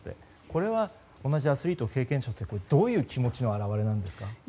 これは同じアスリートとして経験者としてどういう気持ちの表れなんですか。